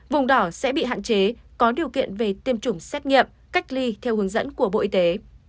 vùng đỏ sẽ bị hạn chế có điều kiện về tiêm chủng xét nghiệm cách ly theo hướng dẫn của bộ y tế